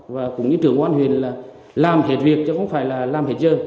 và cũng như trưởng công an huyện là làm hết việc chứ không phải là làm hết giờ